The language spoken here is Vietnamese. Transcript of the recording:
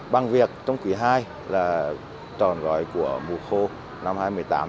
bằng việc trong quý ii là tròn gói của mùa khô năm hai nghìn một mươi tám